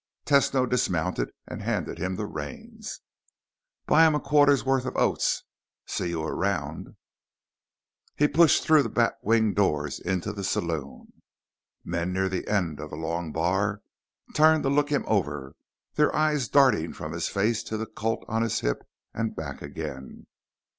Tesno dismounted and handed him the reins. "Buy him a quarter's worth of oats. See you around." He pushed through the batwing doors into the saloon. Men near the end of the long bar turned to look him over, their eyes darting from his face to the Colt on his hip and back again.